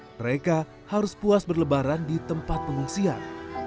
mereka harus puas berlebaran di tempat pengungsian